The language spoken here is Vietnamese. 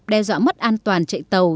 đe dọa mất an toàn chạy tàu